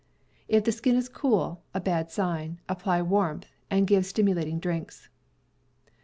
If the skin is cool (a bad sign) apply warmth, and give stimulating drinks.